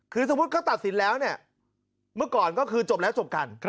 คือสมมุติเขาตัดสินแล้วเนี่ยเมื่อก่อนก็คือจบแล้วจบกัน